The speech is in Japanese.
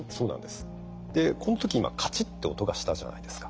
この時今カチッて音がしたじゃないですか。